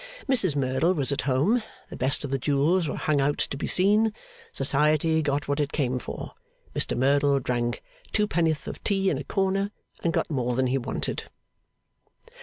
Mrs Merdle was at home, the best of the jewels were hung out to be seen, Society got what it came for, Mr Merdle drank twopennyworth of tea in a corner and got more than he wanted.